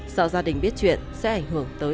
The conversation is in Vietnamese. sợ gia đình biết chuyện sẽ ảnh hưởng tới